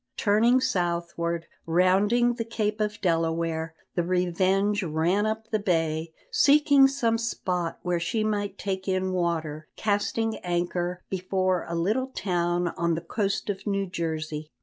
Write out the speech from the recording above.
Turning southward, rounding the cape of Delaware, the Revenge ran up the bay, seeking some spot where she might take in water, casting anchor before a little town on the coast of New Jersey.